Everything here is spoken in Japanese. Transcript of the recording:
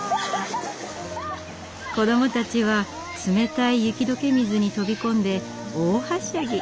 子どもたちは冷たい雪解け水に飛び込んで大はしゃぎ。